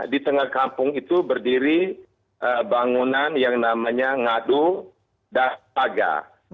di tengah kampung itu berdiri bangunan yang namanya ngadu daga